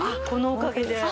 このおかげで。